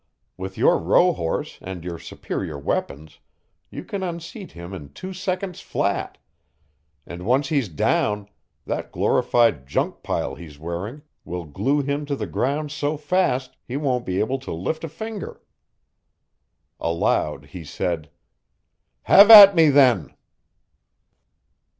With your rohorse and your superior weapons you can unseat him in two seconds flat, and once he's down, that glorified junk pile he's wearing will glue him to the ground so fast he won't be able to lift a finger! Aloud, he said, "Have at me then!"